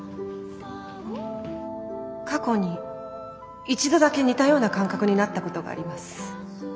「過去に一度だけ似たような感覚になったことがあります。